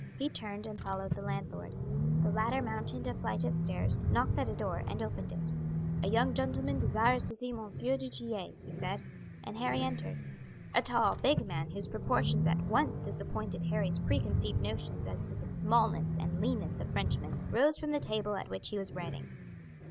He turned and followed the landlord. The latter mounted a flight of stairs, knocked at a door, and opened it. "A young gentleman desires to see M. du Tillet," he said, and Harry entered. A tall, big man, whose proportions at once disappointed Harry's preconceived notions as to the smallness and leanness of Frenchmen, rose from the table at which he was writing.